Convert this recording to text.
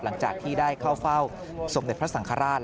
หลังจากที่ได้เข้าเฝ้าสมเด็จพระสังฆราช